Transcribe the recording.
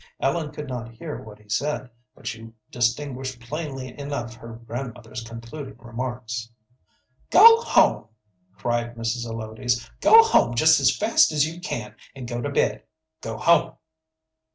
Ellen could not hear what he said, but she distinguished plainly enough her grandmother's concluding remarks. "Go home," cried Mrs. Zelotes; "go home just as fast as you can and go to bed. Go home!"